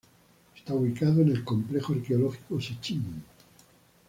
Está ubicado en el complejo arqueológico Sechín.